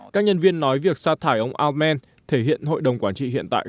các nhân viên nói việc sa thải ông altman thể hiện hội đồng quản trị hiện tại